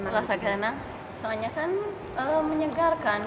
olahraga renang selainnya kan menyegarkan